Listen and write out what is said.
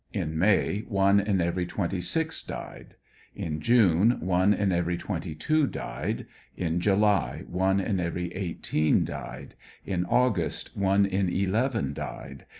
In May one in every twenty six died. In June one in every twenty two died. ' In July one in every eighteen died. In August one in eleven died.